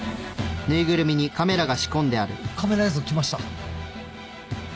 カメラ映像来ました。